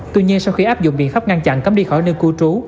tuy nhiên sau khi áp dụng biện pháp ngăn chặn cấm đi khỏi nơi cư trú